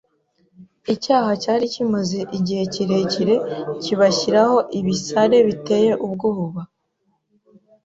Icyaha cyari kimaze igihe kirekire kibashyiraho ibisare biteye ubwoba